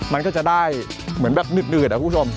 มันก็จะได้เหมือนแบบหนืดอะคุณผู้ชม